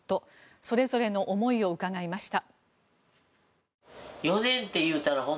それぞれの思いを伺いました。